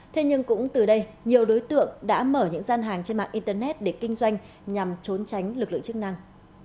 thế nhưng cũng từ đây nhiều đối tượng đã mở những gian hàng trên mạng internet để kinh doanh nhằm trốn tránh lực lượng chức năng